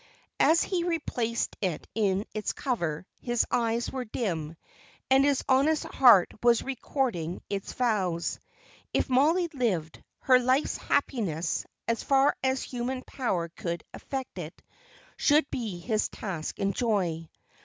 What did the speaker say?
As he replaced it in its cover his eyes were dim, and his honest heart was recording its vows. If Mollie lived, her life's happiness, as far as human power could effect it, should be his task and joy.